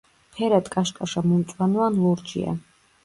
ფერად კაშკაშა მომწვანო ან ლურჯია.